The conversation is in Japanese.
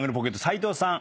斉藤さん。